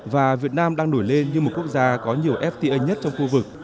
và việt nam đang nổi lên như một quốc gia có nhiều fta nhất trong khu vực